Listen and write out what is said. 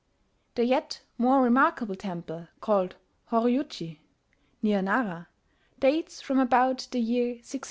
the yet more remarkable temple called Horyuji, near Nara, dates from about the year 607.